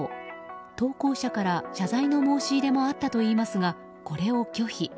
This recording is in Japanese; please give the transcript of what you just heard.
投稿者から謝罪の申し入れもあったといいますが、これを拒否。